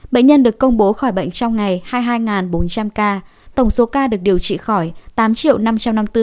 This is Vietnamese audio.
bệnh nhân được công bố khỏi bệnh trong ngày hai mươi hai bốn trăm linh ca tổng số ca được điều trị khỏi tám năm trăm năm mươi bốn chín trăm hai mươi ba ca